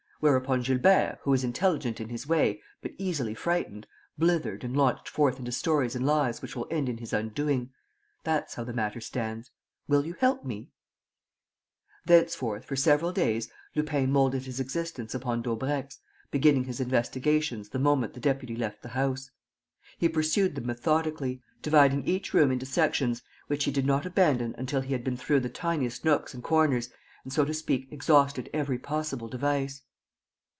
Whereupon Gilbert, who is intelligent in his way, but easily frightened, blithered and launched forth into stories and lies which will end in his undoing. That's how the matter stands. Will you help me?" The deputy came home at midnight. Thenceforth, for several days, Lupin moulded his existence upon Daubrecq's, beginning his investigations the moment the deputy left the house. He pursued them methodically, dividing each room into sections which he did not abandon until he had been through the tiniest nooks and corners and, so to speak, exhausted every possible device.